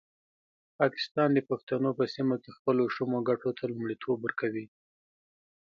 پاکستان د پښتنو په سیمه کې خپلو شومو ګټو ته لومړیتوب ورکوي.